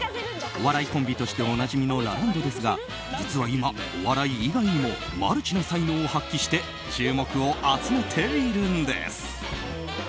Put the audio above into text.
お笑いコンビとしておなじみのラランドですが実は今、お笑い以外にもマルチな才能を発揮して注目を集めているんです。